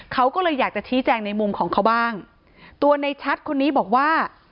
เขาก็เลยอยากจะชี้แจงในมุมของเขาบ้างตัวในชัดคนนี้บอกว่า